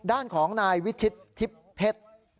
ด้านของนายวิทธิตรทิพเผช